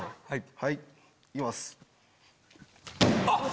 はい。